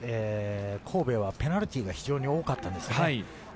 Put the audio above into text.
逆に前節、神戸はペナルティーが非常に多かったですね。